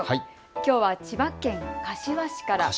きょうは千葉県柏市から。